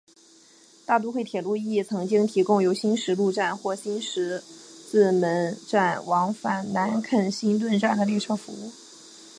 大都会铁路亦曾经提供由新十字站或新十字门站往返南肯辛顿站的列车服务。